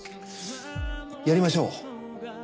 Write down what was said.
やりましょう。